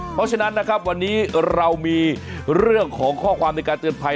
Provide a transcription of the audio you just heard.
เพราะฉะนั้นนะครับวันนี้เรามีเรื่องของข้อความในการเตือนภัย